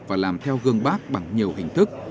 và làm theo gương bác bằng nhiều hình thức